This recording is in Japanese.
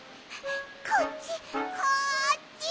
こっちこっち！